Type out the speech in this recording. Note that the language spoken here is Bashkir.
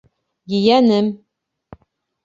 Ейәнем!..